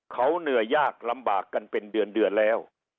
เขาเหนื่อยยากลำบากกันเป็นเดือนแล้ว